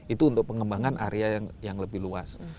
itu untuk pengembangan area yang lebih luas